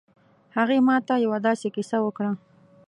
هغې ما ته یو ه داسې کیسه وکړه